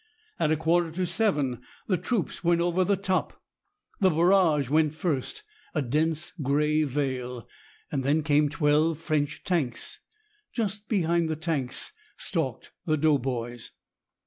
At a quarter to seven the troops went over the top. The barrage went first, a dense gray veil. Then came twelve French tanks. Just behind the tanks stalked the doughboys.